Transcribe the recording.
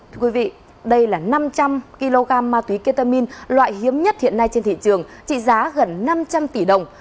thưa quý vị đây là năm trăm linh kg ma túy ketamin loại hiếm nhất hiện nay trên thị trường trị giá gần năm trăm linh tỷ đồng